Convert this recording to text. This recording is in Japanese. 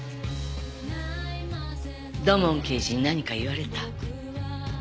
土門刑事に何か言われた？